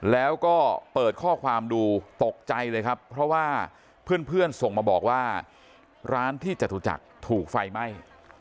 แล้วก็เปิดข้อความดูตกใจเลยครับเพราะว่าเพื่อนส่งมาบอกว่าร้านที่จตุจักรถูกไฟไหม้